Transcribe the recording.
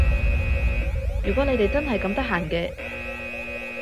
如果你哋真係咁得閒嘅